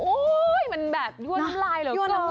โอ้ยมันแบบยั่วน้ำลายเหรอก่อน